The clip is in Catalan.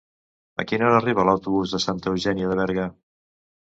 A quina hora arriba l'autobús de Santa Eugènia de Berga?